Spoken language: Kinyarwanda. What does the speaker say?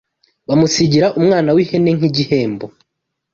Bamusigira umwana w’ihene nk’igihembo